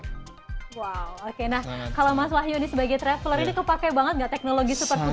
nah kalau mas lahyu ini sebagai traveler ini kepake banget nggak teknologi supervooc tiga